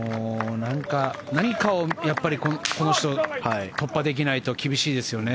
何かをこの人は突破できないと厳しいですよね。